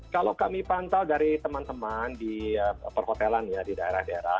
kalau kami pantau dari teman teman di perhotelan ya di daerah daerah